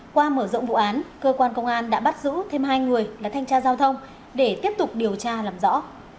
qua mở rộng vụ án cơ quan công an đã bắt giữ thêm hai người là thanh tra giao thông để tiếp tục điều tra làm rõ